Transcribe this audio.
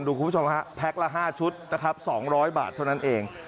คุณผู้ชมฮะแพ็คละ๕ชุดนะครับ๒๐๐บาทเท่านั้นเอง